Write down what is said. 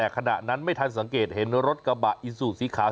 ขณะนั้นไม่ทันสังเกตเห็นรถกระบะอิซูสีขาว